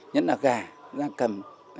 nhất là gà gà cầm